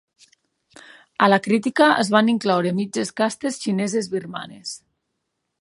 A la crítica es van incloure mitges castes xineses-birmanes.